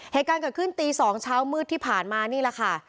เหตุการณ์เกิดขึ้นตี๒เช้ามืดที่ผ่านมานี่แหละค่ะ